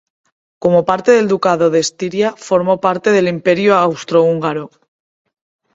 Como parte del ducado de Estiria formó parte del Imperio austrohúngaro.